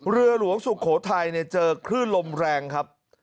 เรือหลวงสุโขทัยเจอคลื่นลมแรงครับ